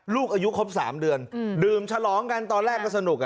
ลูกอายุครบ๓เดือนดื่มฉลองกันตอนแรกก็สนุก